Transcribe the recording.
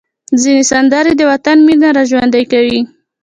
ځینې سندرې د وطن مینه راژوندۍ کوي.